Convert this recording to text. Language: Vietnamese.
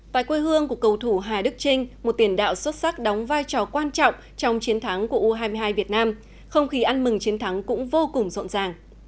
tại quê hương của cầu thủ hà đức trinh một tiền đạo xuất sắc đóng vai trò quan trọng trong chiến thắng của u hai mươi hai việt nam không khí ăn mừng chiến thắng cũng vô cùng rộn ràng